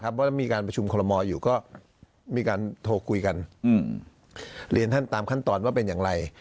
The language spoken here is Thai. เพราะถ้ามีการประชุมคอลโมอยู่ก็มีการโทรคุยกันเรียนท่านตามขั้นตอนว่าเป็นอย่างไร